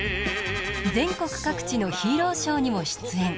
全国各地のヒーローショーにも出演。